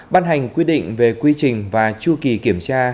ban hành quy định về quy trình và chu kỳ kiểm tra